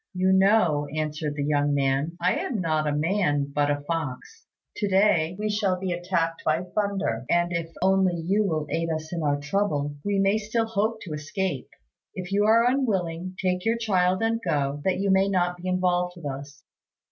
"You know," answered the young man, "I am not a man but a fox. To day we shall be attacked by thunder; and if only you will aid us in our trouble, we may still hope to escape. If you are unwilling, take your child and go, that you may not be involved with us."